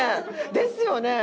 ですよね？